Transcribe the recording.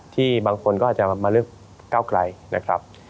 ที่บางคนก็อาจจะมาเลือกก้าวไกลนะครับ